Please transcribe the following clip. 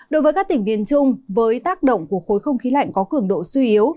đối với các tỉnh biển trung với tác động của khối không khí lạnh có cường độ suy yếu